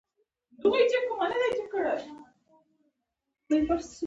غاښونه خواړه میده کوي ترڅو هضم یې اسانه شي